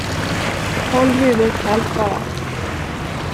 Håll huvudet kallt, bara.